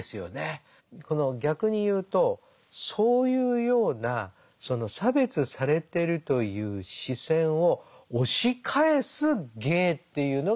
逆に言うとそういうようなその差別されてるという視線を押し返す芸というのがまたそこから。